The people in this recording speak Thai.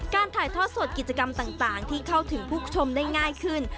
ถ่ายทอดสดกิจกรรมต่างที่เข้าถึงผู้ชมได้ง่ายขึ้น